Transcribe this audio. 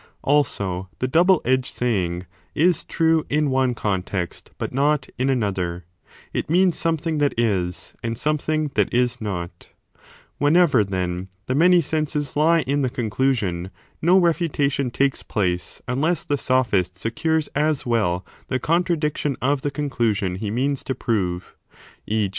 Also the double edged saying is true in one context but 1 Ch. 17. i?6 b 36 i77 a 2. 645 26 Q i 7 7 a DE SOPHISTICIS ELENCHIS 15 not in another : it means something that is and something that is not. Whenever, then, the many senses lie in the conclusion no refutation takes place unless the sophist secures as well the contradiction of the conclusion he means to prove ; e.